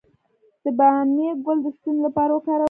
د بامیې ګل د ستوني لپاره وکاروئ